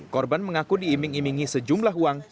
korban mengaku diiming imingi sejumlah uang